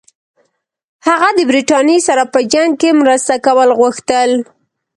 هغه د برټانیې سره په جنګ کې مرسته کول غوښتل.